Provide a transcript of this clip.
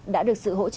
đã được sự hỗ trợ